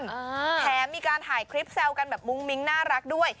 แถมมีการถ่ายคลิปแซวกันแบบมุ้งมิ้งน่ารักด้วย